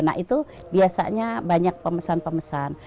nah itu biasanya banyak pemesan pemesan